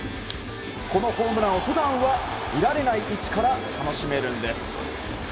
このホームランを普段は見られない位置から楽しめるんです。